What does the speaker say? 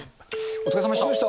お疲れさまでした。